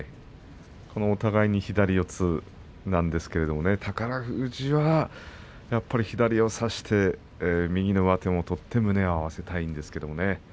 お互いに左四つなんですけど宝富士は左を差して右の上手を取って胸を合わせたいところですね。